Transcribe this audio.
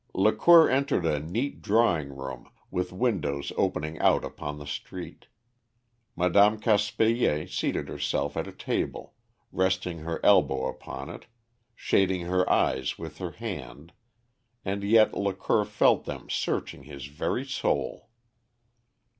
Lacour entered a neat drawing room, with windows opening out upon the street. Madame Caspilier seated herself at a table, resting her elbow upon it, shading her eyes with her hand, and yet Lacour felt them searching his very soul.